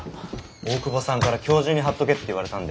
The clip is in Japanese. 大窪さんから今日中に貼っとけって言われたんで。